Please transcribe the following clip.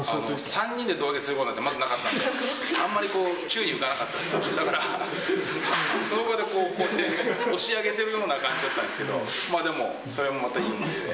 ３人で胴上げすることなんてまずなかったんで、あんまりこう、宙に浮かなかったんで、その場でこうやって押し上げてるような感じだったんですけど、でも、それもまたいい思い出で。